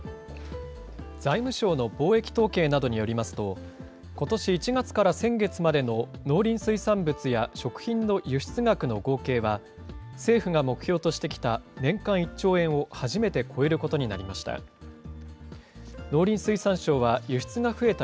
財務省の貿易統計などによりますと、ことし１月から先月までの農林水産物や、食品の輸出額の合計は、政府が目標としてきた年間１兆円を初めて超えることになりました。